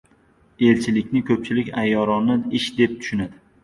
Elchilikni ko‘pchilik ayyorona ish deb tushunadi.